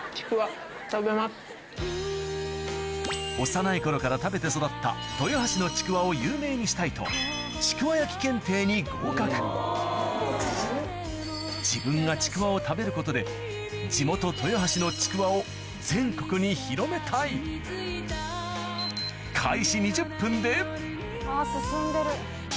幼い頃から食べて育った豊橋の自分がちくわを食べることで地元豊橋のちくわを全国に広めたいあっ進んでる。